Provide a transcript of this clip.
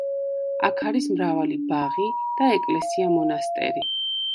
აქ არის მრავალი ბაღი და ეკლესია-მონასტერი.